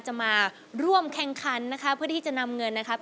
จะมาร่วมแข่งขันนะคะเพื่อที่จะนำเงินนะครับ